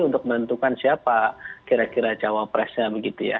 untuk menentukan siapa kira kira cawapres nya begitu ya